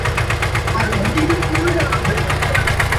ঝাঁকড়া চুলের ফেলাইনিকে এসব ভুল কমিয়ে আনার দায়িত্বটা বেশি নিতে হবে।